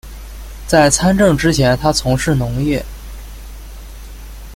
在参政之前他从事农业。